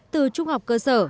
từ trung học cơ sở